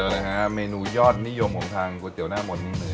มีเมนูยอดนิยมของทางก๋วยเตี๋ยวหน้ามนต์